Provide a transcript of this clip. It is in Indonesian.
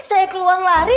saya keluar lari